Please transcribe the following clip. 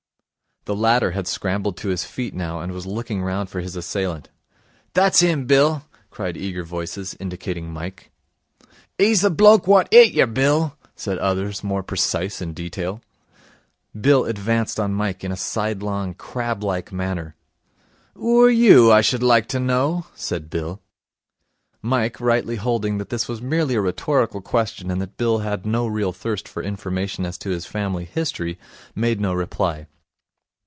The latter had scrambled to his feet now, and was looking round for his assailant. 'That's 'im, Bill!' cried eager voices, indicating Mike. ''E's the bloke wot 'it yer, Bill,' said others, more precise in detail. Bill advanced on Mike in a sidelong, crab like manner. ''Oo're you, I should like to know?' said Bill. Mike, rightly holding that this was merely a rhetorical question and that Bill had no real thirst for information as to his family history, made no reply.